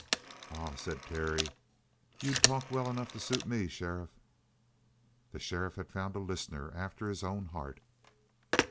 "Ah," said Terry, "you'd talk well enough to suit me, sheriff!" The sheriff had found a listener after his own heart.